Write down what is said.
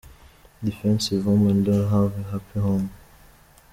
Defensive women don’t have a happy home.